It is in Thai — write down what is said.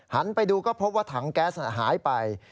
ไปดูก็พบว่าถังแก๊สหายไป